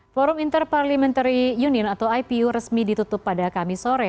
forum interparliamentary union atau ipu resmi ditutup pada kamis sore